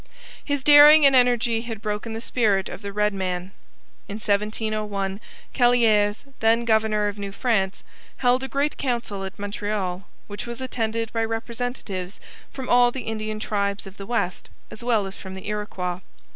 His daring and energy had broken the spirit of the red man. In 1701 Callieres, then governor of New France, held a great council at Montreal, which was attended by representatives from all the Indian tribes of the West as well as from the Iroquois.